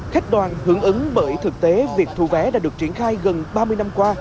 khách đoàn hưởng ứng bởi thực tế việc thu vé đã được triển khai gần ba mươi năm qua